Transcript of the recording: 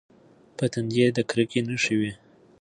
په تندي یې د کرکې نښې وې.